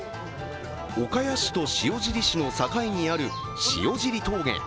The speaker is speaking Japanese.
岡谷市と塩尻市の境にある塩尻峠。